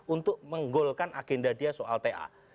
untuk menggolkan agenda dia soal ta